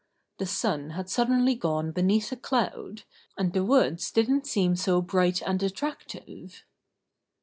The sun had suddenly gone beneath a cloud, and the woods didn't seem so bright and attractive.